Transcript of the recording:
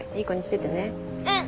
うん！